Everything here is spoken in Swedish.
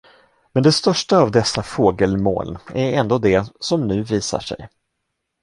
Men det största av dessa fågelmoln är ändå det, som nu visar sig.